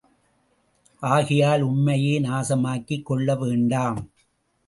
ஆகையால், உம்மையே நாசமாக்கிக் கொள்ள வேண்டாம்.